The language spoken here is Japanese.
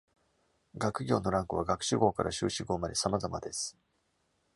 学業のランクは、学士号から修士号まで様々です。